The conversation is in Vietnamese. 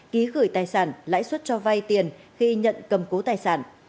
ký gửi tài sản lãi suất cho vay tiền khi nhận cầm cố tài sản